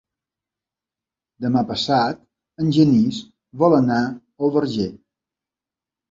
Demà passat en Genís vol anar al Verger.